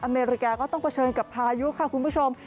อเมริกาก็ต้องเผชิญกับพายุค่ะคุณผู้ชม